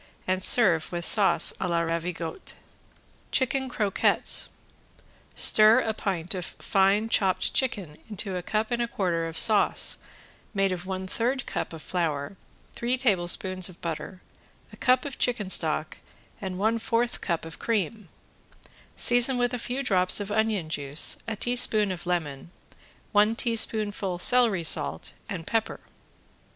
and serve with sauce a la ravigotte. ~CHICKEN CROQUETTES~ Stir a pint of fine chopped chicken into a cup and a quarter of sauce made of one third cup of flour, three tablespoons of butter, a cup of chicken stock and one fourth cup of cream, season with a few drops of onion juice, a teaspoon of lemon, one teaspoonful celery salt and pepper.